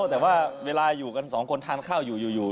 แต่ว่าเวลาอยู่กันสองคนทานข้าวอยู่